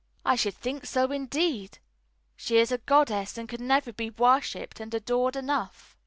"I should think so indeed, she is a goddess, and can never be worshipped and adored enough."